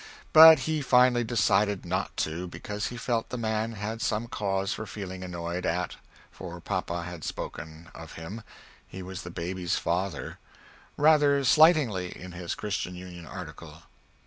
But he finally decided not to, because he felt the man had some cause for feeling enoyed at, for papa had spoken of him, (he was the baby's father) rather slightingly in his Christian Union Article.